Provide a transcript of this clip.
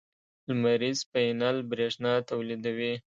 لمریز پینل برېښنا تولیدوي.